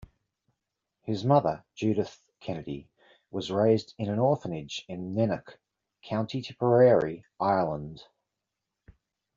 His mother, Judith Kennedy, was raised in an orphanage in Nenagh, County Tipperary, Ireland.